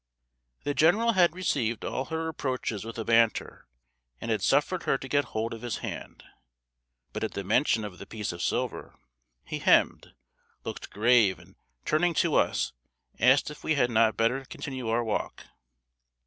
The general had received all her approaches with a banter, and had suffered her to get hold of his hand; but at the mention of the piece of silver, he hemmed, looked grave, and turning to us, asked if we had not better continue our walk.